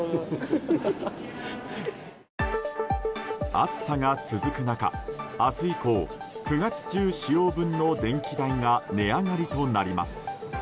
暑さが続く中、明日以降９月中使用分の電気代が値上がりとなります。